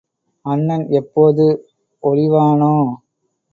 அண்ணன் எப்போது ஒழிவானோ?